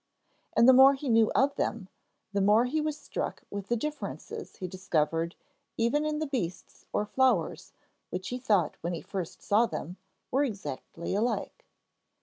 And the more he knew of them, the more he was struck with the differences he discovered even in the beasts or flowers which he thought when he first saw them were exactly alike.